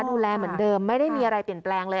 ดูแลเหมือนเดิมไม่ได้มีอะไรเปลี่ยนแปลงเลย